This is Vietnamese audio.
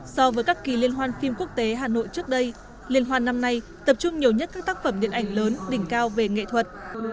so với các kỳ liên hoan phim quốc tế hà nội trước đây liên hoan năm nay tập trung nhiều nhất các tác phẩm điện ảnh lớn đỉnh cao về nghệ thuật